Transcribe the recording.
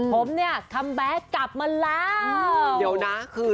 ผมเนี้ยคัมแบกกลับมา